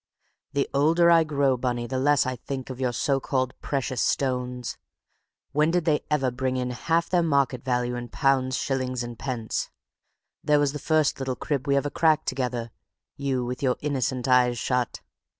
"The older I grow, Bunny, the less I think of your so called precious stones. When did they ever bring in half their market value in £. s. d. There was the first little crib we ever cracked together—you with your innocent eyes shut.